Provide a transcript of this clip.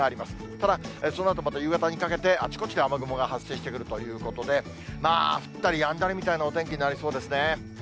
ただ、そのあとまた夕方にかけて、あちこちで雨雲が発生してくるということで、降ったりやんだりみたいなお天気になりそうですね。